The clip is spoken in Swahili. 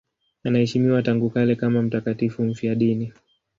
Anaheshimiwa tangu kale kama mtakatifu mfiadini.